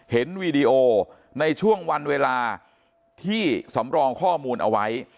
วีดีโอในช่วงวันเวลาที่สำรองข้อมูลเอาไว้